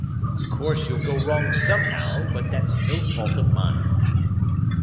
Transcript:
Of course you'll go wrong somehow, but that's no fault of mine."